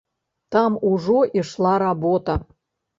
Там ужо ішла работа.